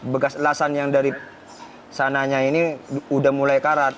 bekas lasan yang dari sananya ini udah mulai karat